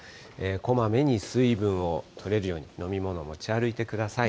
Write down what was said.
こまめに水分をとれるように、飲み物を持ち歩いてください。